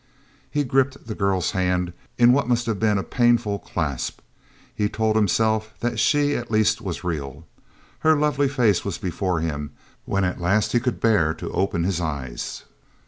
He gripped the girl's hand in what must have been a painful clasp. He told himself that she at least was real. Her lovely face was before him when at last he could bear to open his eyes.